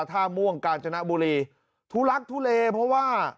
ท่าม่วงกาญจนบุรีทุลักทุเลเพราะว่า